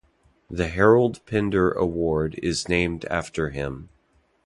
The Harold Pender Award is named after him.